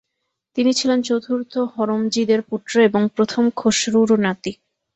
তিনি ছিলেন চতুর্থ হরমজিদ-এর পুত্র এবং প্রথম খসরুর নাতি।